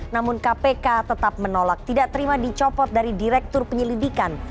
namun kpk tetap menolak tidak terima dicopot dari direktur penyelidikan